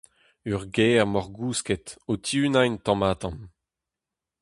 Ur gêr morgousket o tihunañ tamm-ha-tamm.